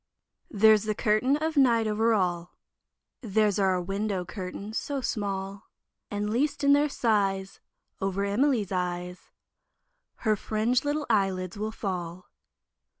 There's the curtain of night over all, There's our own window curtain so small, And least in their size, Over Emily's eyes Her fringed little eyelids will fall.